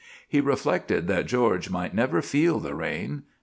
He reflected that George might never feel the rain.